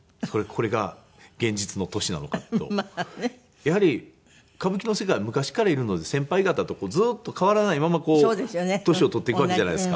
やはり歌舞伎の世界は昔からいるので先輩方とずっと変わらないままこう年を取っていくわけじゃないですか。